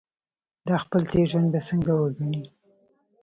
دا خپل تېر ژوند به څنګه وګڼي.